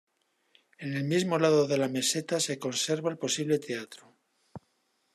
En el mismo lado de la meseta se conserva el posible teatro.